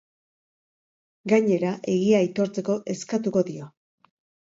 Gainera, egia aitortzeko eskatuko dio.